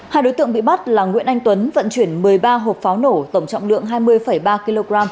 hai đối tượng bị bắt là nguyễn anh tuấn vận chuyển một mươi ba hộp pháo nổ tổng trọng lượng hai mươi ba kg